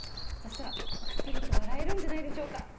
そしたらクスリと笑えるんじゃないでしょうか。